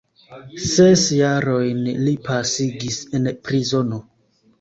Ses jarojn li pasigis en prizono.